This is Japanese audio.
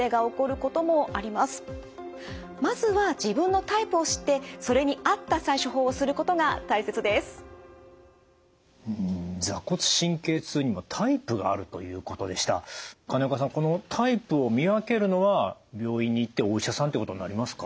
このタイプを見分けるのは病院に行ってお医者さんということになりますか？